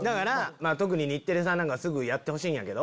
特に日テレさんなんかはすぐやってほしいんやけど。